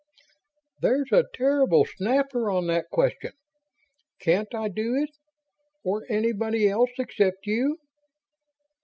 "There's a horrible snapper on that question.... Can't I do it? Or anybody else except you?"